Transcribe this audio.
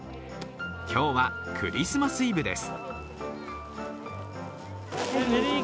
今日はクリスマスイブです。